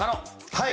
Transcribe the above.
はい。